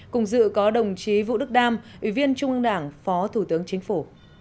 cùng dự có đồng chí vũ đức đam ủy viên trung ương đảng phó thủ tướng chính phủ